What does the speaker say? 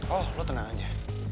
oh lu tenang aja